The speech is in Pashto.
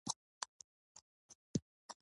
واقعي وضعيت ناباور لارښود پاتې کېږي.